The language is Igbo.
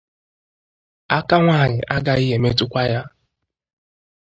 Aka nwaanyị agaghị emetụkwa ya.